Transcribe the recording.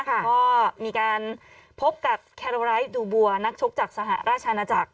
ก็มีการพบกับแคโรไร้ดูบัวนักชกจากสหราชอาณาจักร